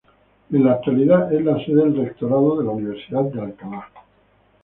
En la actualidad es la sede del rectorado de la Universidad de Alcalá.